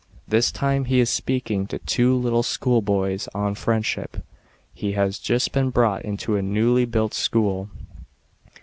This time he is speaking to tw*o little schoolboys on friendship. He has just been brought into a newly built school.